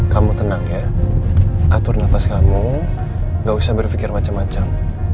kamu tenang ya atur nafas kamu gak usah berpikir macam macam